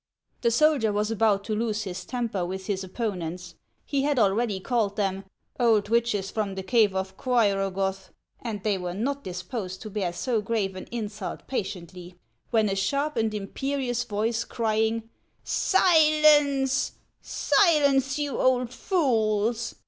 The soldier was about to lose his temper with his oppo nents ; lie had already called them " old witches from the cave of Quiragoth," and they were not disposed to bear so grave an insult patiently, when a sharp and imperious voice, crying " Silence, silence, you old fools